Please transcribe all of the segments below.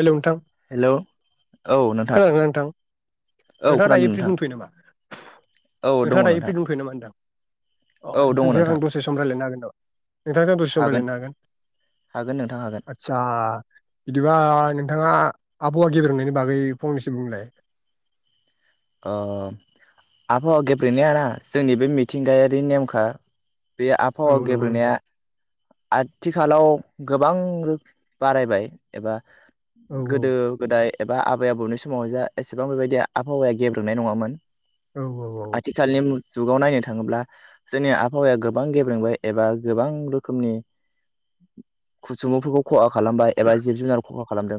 Hello नोंथां hello खोनादोंना नोंथां? औ नोंथाङा खोनादों दायो प्रि नोंथां दंथ'यो नामा? औ दङ नोंथाङा दायो नोंथां फ्रिं दंथ'यो नामा होन्दां। अ औ दङ नोंथांजों नोंथां आं दसे सम रायज्लायनो हागोन‌ ना? नोंथांजों आं दसे सम रायज्लायनो हागोन? हागोन नोंथां हागोन आतसा। दा नोंथाङा आबहावा गेब्रेंनायनि बागै फंनैसो बुंलाय। ओ आबहावा गेब्रेंनायाना जोंनि बे मिथिंगायारि नेमखा बे आहावा औ नंगौ नोंथां गेब्रेंनाया आथिखालाव गोबां रो बारायबाय एबा औ औ गोदो गोदाय एबा आबै आबौनि समावह जा एसेबां बेबायदि आबहावाया गेब्रेंनाय नङामोन। औ औ औ। आथिखालनि जुगाव नायनो थाङोब्ला जोंनि आबहावाया गोबां गेब्रेंबाय एबा गोबां रोखोमनि सुबुंफोरखौ खहा खालामबाय एबा जिब जुनार खहा खालामदों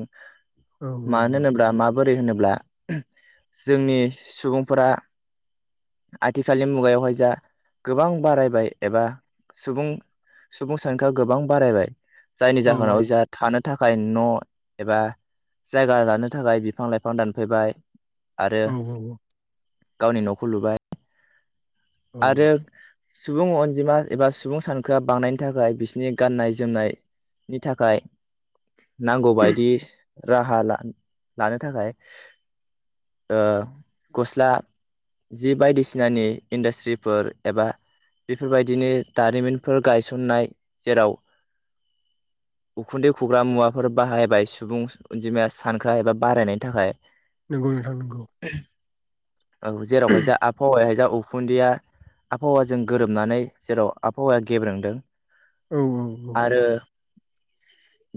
औ मानो होनोब्ला मा बोरै होनोब्ला जोंनि सुबुंफोरा आथिखालनि मुगायावहाय जा गोबां बारायबाय एबा सुबुं सुबुं सानखोआ गोबां बारायबाय जायनि औ जाहोनाव जोंहा थानो थाखाय न' एबा जायगा लानो थाखाय बिफां लाइफां दानफायबाय। आरो औ औ औ। गावनि न'खौ लुबाय। औ आरो औ सुबुं अनजिमा एबा सुबुं सानखोआ बांनायनि थाखाय बिसनि गाननाय जोमनाय नि थाखाय नांगौ बायदि राहा ला-लानो थाखाय ओ गस्ला जि बायदिसिनानि इन्डास्ट्रिफोर एबा बेफोरबायदिनो दारिमिनफोर गायसननाय जेराव उखुन्दै खुग्रा मुवाफोर बाहायबाय सुबुं अनजिमाया सानखो एबा बारायनायनि थाखाय नोंगौ नोथां नोंगौ औ जेरावहाय जा आफावाया उखुन्दैया आफावाजों गोरोबनानै जेराव आफावा गेब्रोंदों औ औ औ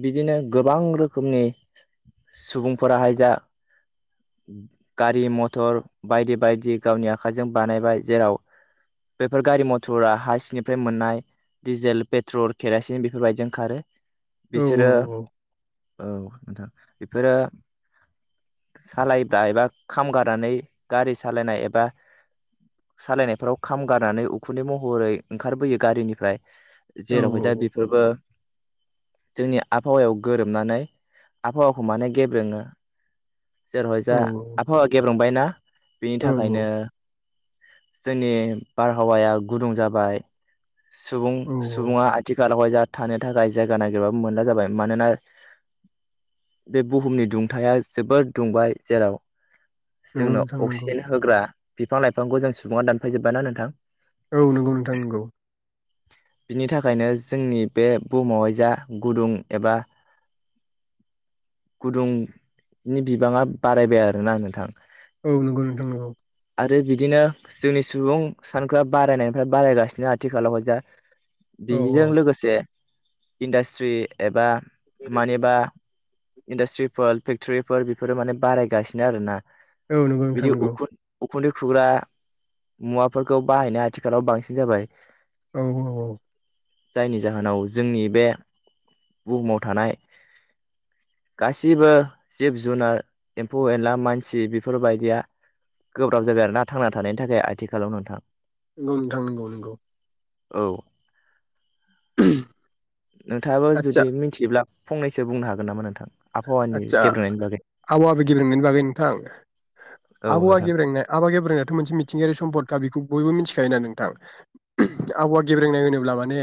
बिदिनो गोबां रोखोमनि सुबुंफोराहाय जा गारि मथर बायदि बायदि गावनि आखाइजों बानायबाय जेराव बेफोर गारि मथरा हासिनिफ्राय मोननाय दिडिजेल पेट्रल केरासिन बेफोरबायदिजों खारो औ औ बिसोरो औ ओंथां बिफोरो सालायब्ला एबा खामगारनानै गारि सालायनाय एबा सालायनायफोराव खाम गारनानै उखुन्दै महरै ओंखारबोयो गारिनिफ्राय औ जेरावहाय जा बेफोरबो जोंनि आफावायाव गोरोबनानै आबहावाखौ माने गेब्रेंङो जेरावहाय जा औ आफावा गेब्रुंबायना बिनि थाखायनो जोंनि बारहावाया गुदुं जाबाय सुबुं औ सुबुङा आथिखालाव जा थानो थाखाय जायगा नागिरबाबो मोनला जाबाय मानोना बे बुहुमनि दुंथाया जोबोद दुंबाय जेराव नंगौ नोंथां जोंनाव नंगौ अक्सिजेन होग्रा बिफां लाइफांखौ जों सुबुङा दानफायजोब्बाय ना नोंथां औ नंगौ नोंथां नंगौ बिनि थाखायनो जोंनि बे बुहुमावहाय जा गुदुं एबा [inaudible] गुदुंनि बिबाङा बारायबाय आरोना नोंथां औ नंगौ नोंथां नंगौ आरो बिदिनो जोंनि सुबुं सानखोआ बारायनायनिफ्राय बारायगासिनो आथिखालावह जा औ बिनिजों लोगोसे इन्डास्ट्रि एबा मानिबा इन्डास्ट्रिफोर फेक्टरिफोर बेफोरो माने बारायगासिनो आरोना औ नोंगौ नोंथां नोंगौ खुन्दै खुग्रा मुवाफोरखौ बाहायनाया आथिखालाव बांसिन जाबाय औ औ औ जायनि जाहोनाव जोंनि बे बुहुमाव थानाय गासिबो जिब जुनार एम्फौ एनला मानसि बेफोरबायदिया गोब्राब जाबाय आरो ना थांना थानायनि थाखाय आथिखालाव नोंथां। नंगौ नोंथां नंगौ नंगौ। औ [inaudible] नोंथाङाबो आदसा जुदि मोनथियोब्ला फंनैसो बुंनो हागोन नामा नों आदसा [unintelligible] बागै नोंथां? औ आबहावआ नोंथां गेब्रेंनाय आबहावा गेब्रेनायाथ' मोनसे मिथिंगायारि सम्पदखा बेखौ बयबो मोनथिखायोना नोंथां। आबहावा गेब्रेंनाय होनोब्ला माने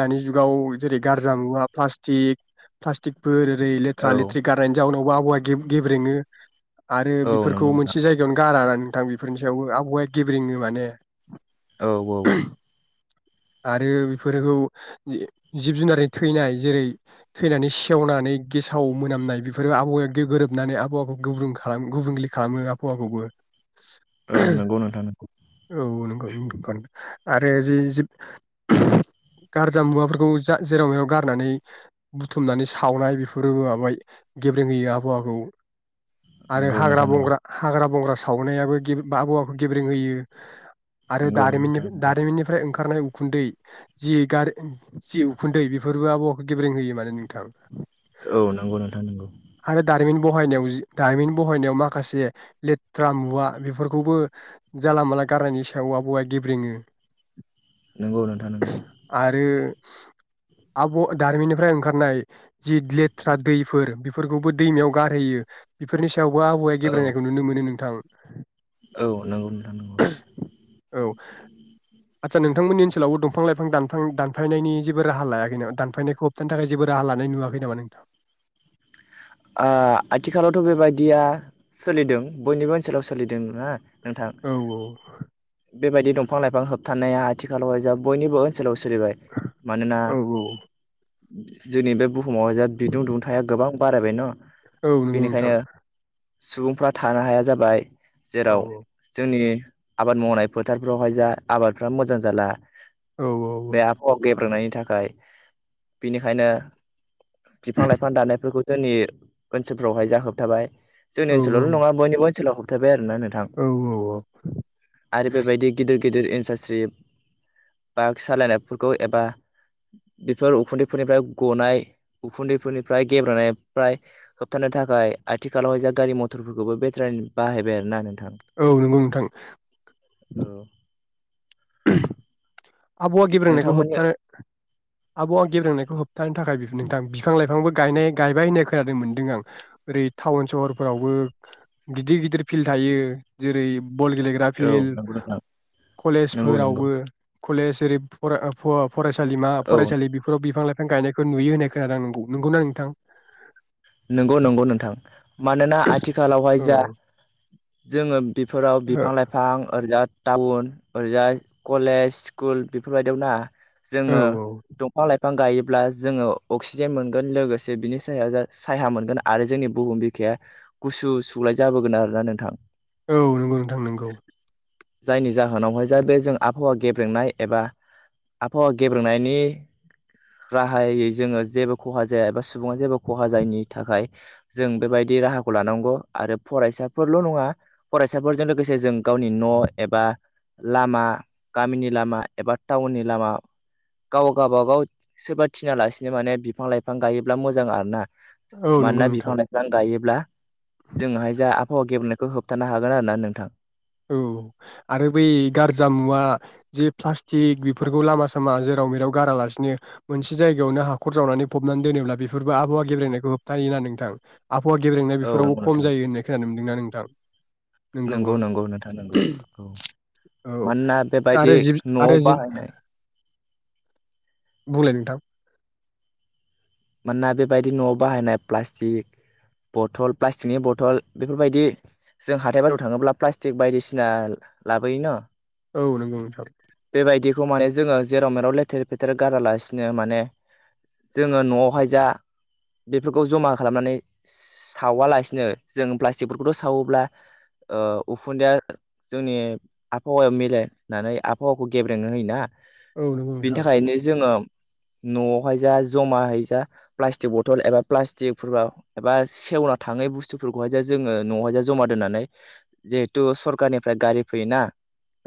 दानि जुगाव जेरै गारजा मुवा प्लास्टिक प्लास्टिकफोर ओरै लेथ्रा औ लेथ्रि गारनायनि जाउनावबो आबहावा गे गेब्रेङो। आरो औ नंगौ बेफोरखौ नोंथां मोनसे जायगायावनो गारा नोंथां बेफोरनि सायावबो आबहावाया गेब्रेङो माने ‌। औ औ। [inaudible] आरो बेफोरखौ जिब जुनारनि थैनाय जेरै थैनानै सेवनानै गेसाव मोनामनाय बेफोरबो आबहावाया गो-गोरोबनानै आबहावाखौ गुब्रुं खालामो गुबुंले खालामो आबहावाखौबो। औ नंगौ नोंथां नंगौ औ नंगौ आरो जि-जिब गारजा मुवाफोरखौ जा जेराव मेराव गारनानै बुथुमनानै सावनाय बे फोरबो जाबाय गेब्रेंहोयो आबहावाखौ आरो नंगौ हाग्रा नोंथां नंगौ बंग्रा हाग्रा बंग्रा सावनायाबो गेब आबहावाखौ गेब्रें होयो आरो नंगौ दारिमिननि नोंथां नंगौ दारिमिननिफ्राय ओं खारनाय उखुन्दै जि गार जि उखुन्दै बेफोरबो आबहावाखौ गेब्रें होयो माने नोंथां। औ नंगौ नोंथां। आरो दारिमिन बहायनायाव जि दारिमिन बहायनायाव माखासे लेथ्रा मुवा बेफोरखौबो जानला मानला गारनायनि सायाव आबहावाया गेब्रेङो। नोंगौ नोंथां नंगौ। आरो आब' दारिमिननिफ्राय ओंखारनाय जि लेथ्रा दैफोर बि फोरखौबो दैमायाव गारहैयो बेफोरनि सायावबो आबहावाया औ गेब्रेनायखौ नुनो मोनो नोंथां। औ नंगौ नोंथां नंगौ। औ आदसा नोंथांमोननि ओनसोलाव दंफां लाइफां दानफां दानफायनायनि जेबो राहा लायाखै नामा? दानफायनायखौ होबथानो थाखाय जेबो राहा ला नाय नुवाखै नामा नोंथां? ओ आथिखालावथ' बेबायदिया सोलिदों बयनिबो ओनसोलाव सोलिदों ना। नोंथां औ औ। बेबायदि दंफां लाइफां होबथानाया आथिखालाव जा बयनिबो ओनसोलाव सो लिबाय मानोना औ औ जोंनि बे बुहुमाव जा बिदुं दुंथाया गोबां बारायबाय न औ नंगौ नोंथां। बेनिखायनो सुबुंफ्रा थानो हाया जाबाय औ जेराव जोंनि आबाद मावनाय फोथारफ्रावहाय जा आबादफ्रा मोजां जाला। औ औ बे आबहावा गेब्रेंनायनि थाखाय बिनिखायनो बिफां-लाइफां दानायफोरखौ जोंनि ओनसोलफोराव हायजा होबथाबाय। जोंनि औ ओनोलावल'ङा बनिबोओनोलाव थथाबबाय नोंथां औ औ आरो बेबायदि गिदिर गिदिर इनसारस्रि बाइक सालायनायफोरखौ एबा बेफोर उखुन्दैफोरनिफ्राय गनाय उखुन्दैफोरनिफ्राय गेब्रेंनाय फ्राय होबथानो थाखाय आथिखालावहाय जा गारि मथरफोरखौबो बेटारिनि बाहायबाय आरो ना नों औ नंगौ नोंथां। औ [inaudible] आबहावा गेब्रेंनायखौ नोंथांमोननि होबथानो आबहावा गेब्रोंनायखौ होब थानो थाखाय नोंथां बिफां-लाइफांबो गायनाय गायबाय होननाय खोनानो मोनदों आं ओरै टाउन सहरफोरावबो ओ गिदिर गिदिर फिल्ड थायो जेरै बल गेलेग्रा औ नंगौ फिल्ड नोंथां नंगौ नंगौ कलेजफोरावबो कलेज ओरै फराय ओ फ-फरायसालिमा औ फरायसालि बेफोराव बिफां लाइ गायनायखौ नुयो होननाय खोनादों नों नंगौना नोंथां? नंगौ नंगौ नोंथां मानोना आथिखालावहाय औ जा जोङो बेफोराव बिफां-लाइफां ओरजा टाउन ओरैजा कलेज स्कुल बेफोरबायदियाव ना औ जोङो दंफां-लाइफां गायोब्ला जोङो अक्सिजेन मोनगोन लोगोसे बिनि सायाव सायहा मोनगोन आरो जोंनि बुहुम बिखाया गुसु सुगलाय जाबोगोन आरोना नोंथां। औ नंगौ नोंथां नंगौ। जायनि जाहोनावहाय जा बे जों आबहावा गेब्रेंनाय एबा आबहावा गेब्रेंनायनि राहायै जोङो जेबो खहा जाया एबा सुबुङा जेबो खहा जायैनि थाखाय जों बेबायदि राहाखौ लानांगौ आरो फरायसाफोरल' नङा फराय फरायसाफोरजों लोगोसे जों गावनि न' एबा लामा गामिनि लामा एबा टाउननि लामा गाव गावबागाव सोरबा थिना लासिनो माने बिफां-लाइफां गायोब्ला मोजां आरो ना औ नंगौ मानोना नोंथां बिफां लाइफां गायोब्ला जोंहा जा आबहावा गेबेनायखौ होबथानो हागोन आरो ना नोंथां। औ आरो बै गारजा मुवा जे प्लास्टिक बेफोरखौ लामा सामा जेराव जेराव-मेराव गारालासिनो मोनसे जायगायावनो हाखर जावनानै फबनानै दोनोब्ला बेफोरबो आबहावा गेबेंनायखौ होबथायो होननानै नोंथां। आबहावा गेबेंनाय औ बेफोरावबो नंगौ खम नोंथां जायो होननाय खोनानो मोनदोंना नोंथां। नंगौ नंगौ नोंथां औ मानोना बेबायदि आरो जिब न'आव आरो जिब बाहायनाय बुंलाय नोंथां मानोना बेबायदि न'आव बाहायनाय प्लास्टिक, बथल प्लास्टिकनि बथल बेफोरबायदि जों हाथाय बाजाराव थाङोब्ला प्लास्टिक बायदिसिना लाबोयो न औ नंगौ नोंथां बेखौ माने जोङो जेराव-मेराव लेथेर-फेथेर गारालासिनो माने जोङो न'आव [unintelligible] बेफोरखौ जमा खालामनानै सावालासिनो, जों प्लास्टिकफोरखौथ' सावोब्ला औ उखुन्दैया जोंनि आबहावायाव मिलायनानै आबहावाखौ गेब्रेंनो होयोना औ नंगौ बिनि नोंथां औ थाखायनो जोङो न'आवहाय जा जमा हैै प्लास्टिक बथल एबा प्लास्टिकफोरबा एबा सेवना थाङै बुस्थुफोरखौहाय जा जोङो नवावहाय जमा दोननानै जेहेतु सरखारनिफ्राय गारि फैयोना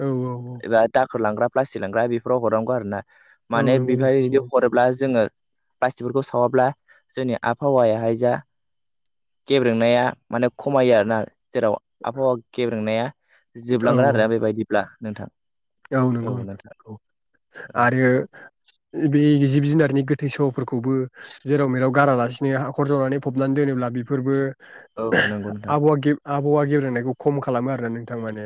औ औ एबा दाखोर लांग्रा प्लास्टिक लांग्रा बेफोराव हरनांगौ आरो ना। औ माने नंगौ नोंथां बेबायदि नंगौ हरोब्ला जोङो प्लास्टिकफोरखौ सावाब्ला जोंनि आबहावायाहाय जा गेब्रेंनाया माने खमायो आरोना। जेराव आबहावा गेब्रेंनाया औ जोबलांगोन आरोना बेबायदिब्ला नोंथां। औ नंगौ नोंथां। औ आरो बे जिब-जुनारनि गोथै-सहफोरखौबो जेराव मेराव गारालासिनो हाखर जावनानै फबनानै दोनोब्ला बेफोरबो औ नंगौ नोंथां आबहावा गे आबहावा गेब्रेंनायखौ खम खालामो आरो ना नोंथां माने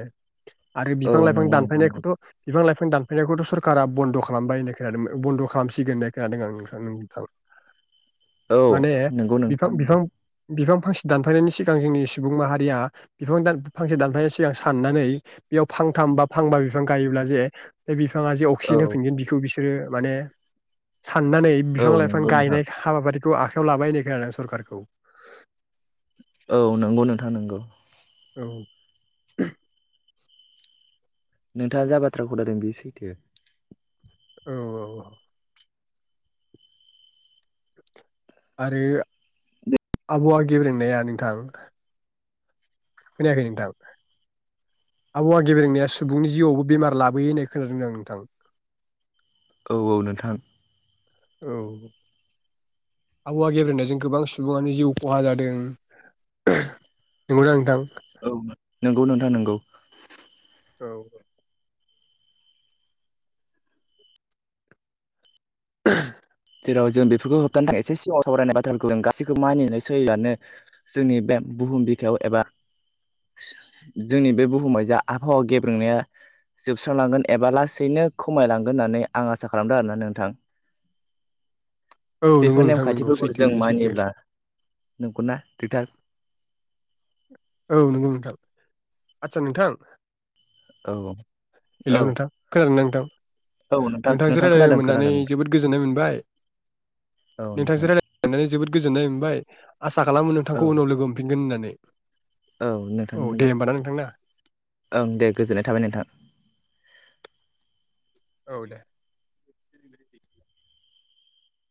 आरो औ बिफां-लाइफां नंगौ नोंथां नंगौ दानफायनायखौ बिफां-लाइफां दानफायनायखौथ' सरकारा बन्द' खालामबाय होननाय खोनादों बन्द' खालामसिगोन होननाय खोनादों आं नोंथां। औ माने नंगौ बिफां नोंथां नंगौ बिफां बिफां फांसे दानफायनायनि सिगां जोंनि सुबुं माहारिया बिफां फांसे दानफायनायनि सिगां साननानै बेयाव फांथाम बा फांबा बि बिफां गायोब्ला जे बे बिफाङा जे अक्सिजेन औ होफिनगोन बिखौ बिसोरो माने साननानै औ बिफां-लाइफां नंगौ नोंथां गायनाय हाबाफारि खौ आखायाव लाबाय होननाय खोनादों सरखारखौ। औ नंगौ नोंथां नंगौ। औ ओहोम नोंथाङा जा बाथ्राखौ लादों बे सैथो। औ औ औ। आरो आबहावा गेब्रेंनाया नोंथां खोनायाखै नोंथां? आबहावा गेब्रेंनाया सुबुंनि जिउआवबो बेमार लाबोयो होननाय खोनादों आं नोंथां। औ औ नोंथां। औ। आबहावा गेब्रेनायजों गोबां सुबुङानो जिउ खहा जादों। ओहो नंगौना नोंथां? औ न नंगौ नोंथां नंगौ। औ। [unintelligible] जेराव जों बेफोरखौ होबथानो थाखाय एसे सिगाङाव सावरायनाय बाथ्राफोरखौ जों गासैखौबो मानिनानै सोलिबानो जोंनि बे बुहुम बिखायाव एबा जोंनि बे बुहुमाव जा आबहावा गेब्रेंनाया जोबस्रांलांगोन एबा लासैनो खमायलांगोन होननानै आं आसा खालामदों आरोना नोंथां। औ बेफोर नंगौ नोंथां नंगौ नेमखान्थिफोरखौ सैथो जों बेयो सैथो मानियोब्ला नंगौना नोंथां? औ नंगौ नोंथां। आदसा नोंथां औ औ। हेलौ नोंथां खोनादों ना नोंथां? औ नोंथां नोंथांजों नोंथां रायलायनो खोनादों मोननानै खोनादों जोबोद गोजोननाय मोनबाय औ नोंथां नोंथांजों रायलायनानै जोबोद गोजोननाय म बाय आसा खालामो औ नोंथांखौ उनाव लोगो मोनफिनगोन होननानै। औ औ नोंथां दे होमबा ना नोंथां ना [inaudible] ओं दे गोजोननाय थाबाय नोंथां। औ दे।